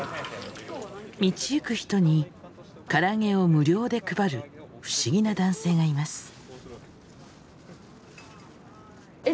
道行く人にからあげを無料で配る不思議な男性がいます。